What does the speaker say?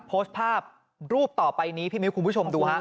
โพสต์ภาพรูปต่อไปนี้พี่มิ้วคุณผู้ชมดูฮะ